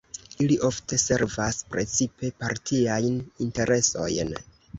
Ili ofte servas precipe partiajn interesojn.